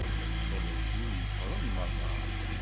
Arrac-iw mɣuren merra.